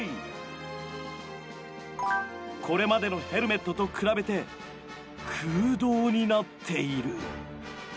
これまでのヘルメットと比べて空洞になっている。